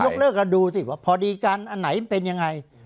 เลิกกันดูสิว่าพอดีกันอันไหนมันเป็นยังไง